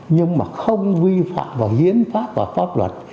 nhưng mà không vi phạm vào hiến pháp và pháp luật